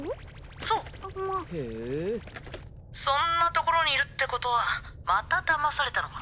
そうへえそんな所にいるってことはまただまされたのか？